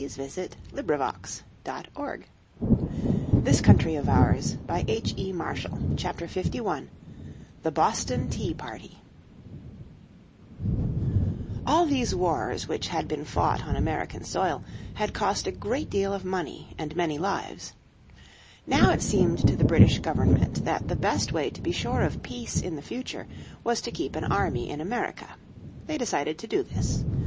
PART VI: STORIES OF THE STRUGGLE FOR LIBERTY __________ Chapter 51 The Boston Tea party All these wars which had been fought on American soil had cost a great deal of money and many lives. Now it seemed to the British Government that the best way to be sure of peace in the future was to keep an army in America. They decided to do this.